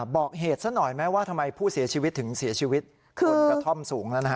บอกเหตุซะหน่อยไหมว่าทำไมผู้เสียชีวิตถึงเสียชีวิตบนกระท่อมสูงแล้วนะฮะ